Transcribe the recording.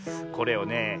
これをね